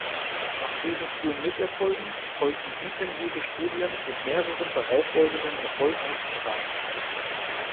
Nach diesen frühen Misserfolgen folgten intensive Studien mit mehreren darauffolgenden erfolgreichen Starts.